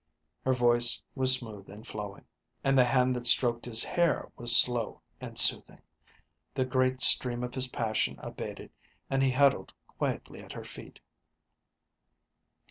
Her voice was smooth and flowing, and the hand that stroked his hair was slow and soothing; the great stream of his passion abated and he huddled quietly at her feet.